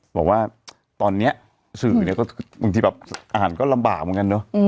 บอกว่าตอนนี้สื่อเนี่ยก็บางทีแบบอ่านก็ลำบากเหมือนกันเนอะ